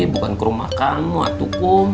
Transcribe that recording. bukan ke rumah kamu atukum